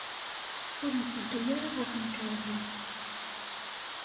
Ur netteddu ara ɣer temkarḍit.